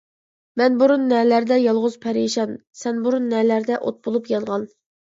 مەن بۇرۇن نەلەردە يالغۇز پەرىشان، سەن بۇرۇن نەلەردە ئوت بولۇپ يانغان.